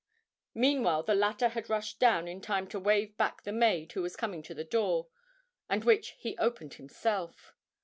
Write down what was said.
Meanwhile the latter had rushed down in time to wave back the maid who was coming to the door, and which he opened himself.